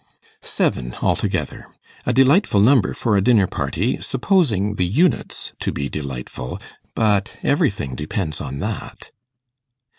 Seven, altogether: a delightful number for a dinner party, supposing the units to be delightful, but everything depends on that.